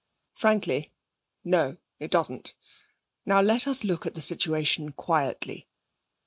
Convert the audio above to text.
'Frankly, no; it doesn't. Now, let us look at the situation quietly.'